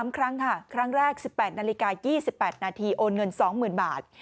๓ครั้งค่ะครั้งแรก๑๘นาฬิกา๒๘นาทีโอนเงิน๒๐๐๐บาท